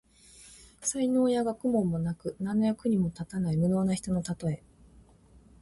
才能や学問もなく、何の役にも立たない無能な人のたとえ。